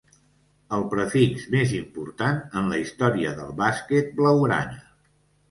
El prefix més important en la història del bàsquet blaugrana.